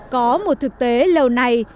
có một thực tế lâu này